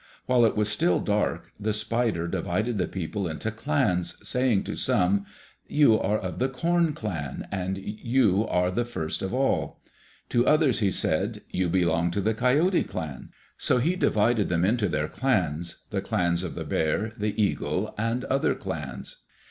While it was still dark, the spider divided the people into clans, saying to some, "You are of the Corn clan, and you are the first of all." To others he said, "You belong to the Coyote clan." So he divided them into their clans, the clans of the Bear, the Eagle, and other clans.